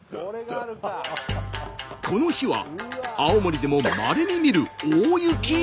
この日は青森でもまれに見る大雪。